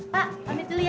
pak pamit dulu ya